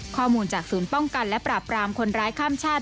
ข้อมูลจากศูนย์ป้องกันและปราบรามคนร้ายข้ามชาติ